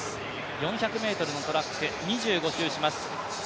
４００ｍのトラック、２５周します